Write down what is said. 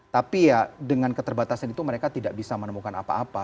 tapi ya dengan keterbatasan itu mereka tidak bisa menemukan apa apa